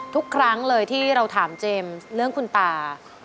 ทุกครั้งเลยที่เราถามเจมส์เรื่องคุณตา